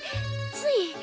つい。